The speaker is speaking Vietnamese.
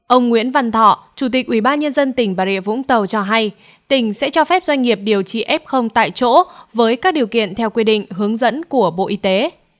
ông nguyễn văn thọ chủ tịch ubnd tỉnh bà rịa vũng tàu cho hay tỉnh sẽ cho phép doanh nghiệp điều trị f tại chỗ với các điều kiện theo quy định hướng dẫn của bộ y tế